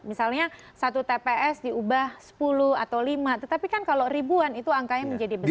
misalnya satu tps diubah sepuluh atau lima tetapi kan kalau ribuan itu angkanya menjadi besar